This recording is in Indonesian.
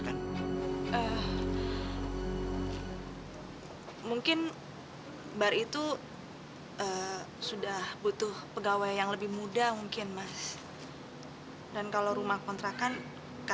sampai jumpa di video selanjutnya